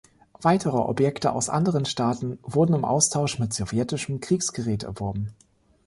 Weitere Objekte aus anderen Staaten wurden im Austausch mit sowjetischem Kriegsgerät erworben.